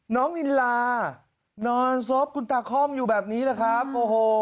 น้องนิลลานอนซบคุณตาค่อมคือก็อยู่แบบนี้ละครับ